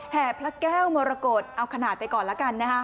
แห่พระแก้วมรกฏเอาขนาดไปก่อนแล้วกันนะฮะ